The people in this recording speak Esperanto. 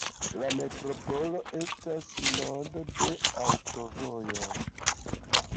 La metropolo estas nodo de aŭtovojoj.